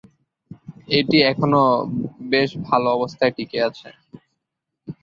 এটি এখনও বেশ ভাল অবস্থায় টিকে আছে।